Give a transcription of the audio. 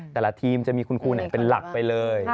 แต่ละทีมจะมีคุณครูเป็นหลักไปเลย